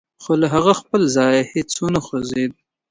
خو هغه له خپل ځايه هېڅ و نه خوځېده.